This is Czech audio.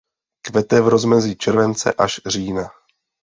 Kvete v rozmezí července až října.